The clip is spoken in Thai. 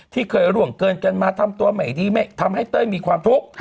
ที่เคยร่วงเกินกันมาทำตัวใหม่ดีไม่ทำให้เต้ยมีความทุกข์